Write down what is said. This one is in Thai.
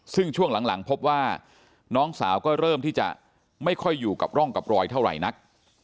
ซึ่งช่วงหลังพบว่าน้องสาวก็เริ่มที่จะไม่ค่อยอยู่กับร่องกับรอยเท่าไหร่นัก